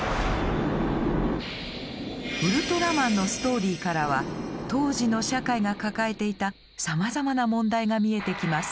「ウルトラマン」のストーリーからは当時の社会が抱えていたさまざまな問題が見えてきます。